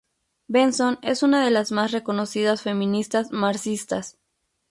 Benson es una de las más reconocidas feministas marxistas.